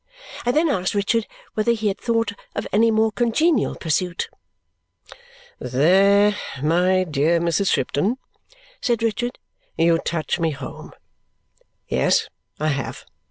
I then asked Richard whether he had thought of any more congenial pursuit. "There, my dear Mrs. Shipton," said Richard, "you touch me home. Yes, I have.